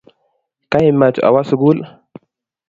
kaimech awo sukul